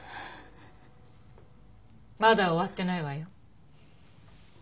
まだ終わってないわよ。